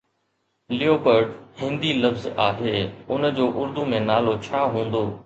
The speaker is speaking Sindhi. ليوپرڊ هندي لفظ آهي، ان جو اردو ۾ نالو ڇا هوندو؟